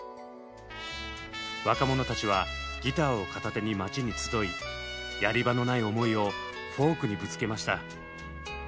若者たちはギターを片手に街に集いやり場のない思いをフォークにぶつけました。